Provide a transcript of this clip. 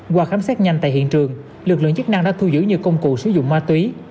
qua khám xét nhanh tại hiện trường lực lượng chức năng đã thu giữ nhiều công cụ sử dụng ma túy